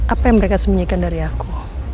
apa yang mereka sembunyikan dari aku